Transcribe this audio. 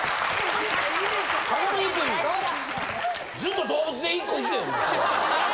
ずっと動物で１個いけ。